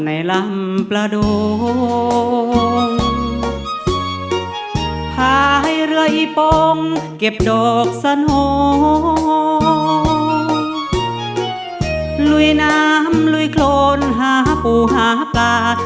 ในลำประโดงพาให้เรื่อยปงเก็บดอกสโนลุยน้ำลุยโคลนหาผู้หาปลา